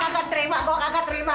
gue gak keterima gue gak keterima